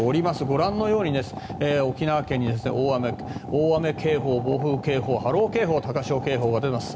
ご覧のように沖縄県に大雨警報暴風警報、波浪警報高潮警報が出ています。